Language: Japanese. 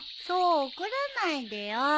そう怒らないでよ。